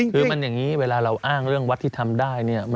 คือมันอย่างนี้เวลาเราอ้างเรื่องวัดที่ทำได้เนี่ย